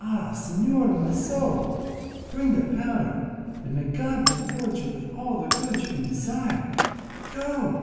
Ah, señor of my soul! bring that powder, and may God reward you with all the good you can desire. Go!